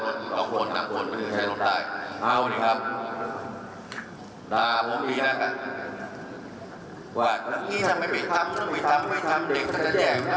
ว่านี้ฉันไม่มีทำไม่ทำไม่ทำเด็กครับฉันแย่งไอมันไม่เลือด